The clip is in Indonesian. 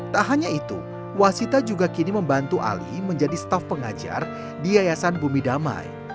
tak hanya itu wasita juga kini membantu ali menjadi staff pengajar di yayasan bumi damai